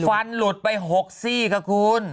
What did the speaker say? ฟันหลุดไป๖ซี่ค่ะคุณ